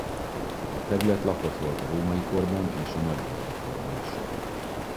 A terület lakott volt a római korban és a nagymorva korban is.